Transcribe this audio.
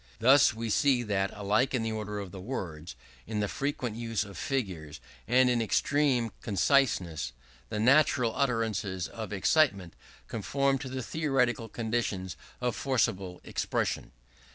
Thus we see that alike in the order of the words, in the frequent use of figures, and in extreme conciseness, the natural utterances of excitement conform to the theoretical conditions of forcible expression.